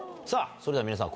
それでは皆さん